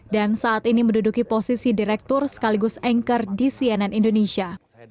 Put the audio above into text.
dan saat ini menduduki posisi direktur sekaligus anchor di cnn indonesia